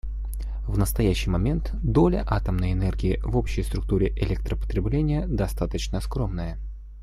В настоящий момент доля атомной энергии в общей структуре электропотребления достаточно скромная.